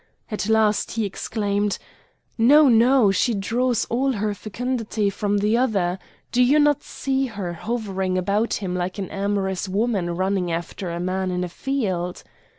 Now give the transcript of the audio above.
At last he exclaimed: "No! no! she draws all her fecundity from the other! Do you not see her hovering about him like an amorous woman running after a man in a field?"